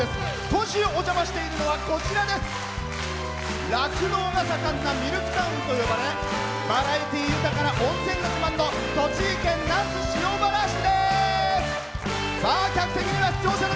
今週お邪魔しているのは酪農が盛んなミルクタウンと呼ばれバラエティー豊かな温泉が自慢の栃木県那須塩原市です！